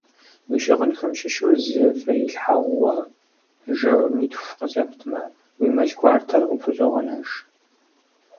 Уи щыгъынхэм щыщу зы фэилъхьэгъуэ, жэмитху къызэптмэ, уи мэл гуартэр къыпхузогъэнэж.